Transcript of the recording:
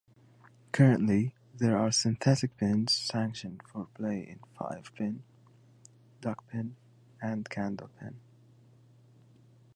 Currently there are synthetic pins sanctioned for play in five-pin, duckpin, and candlepin.